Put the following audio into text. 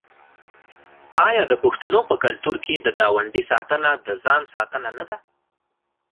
آیا د پښتنو په کلتور کې د ګاونډي ساتنه د ځان ساتنه نه ده؟